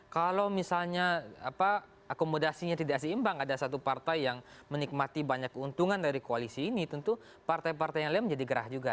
kalau misalnya akomodasinya tidak seimbang ada satu partai yang menikmati banyak keuntungan dari koalisi ini tentu partai partai yang lain menjadi gerah juga